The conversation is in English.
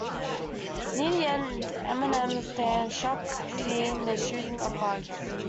Near the end, Eminem stands shocked seeing the shooting of Bugz.